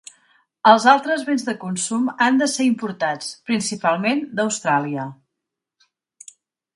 Els altres béns de consum han de ser importats, principalment d'Austràlia.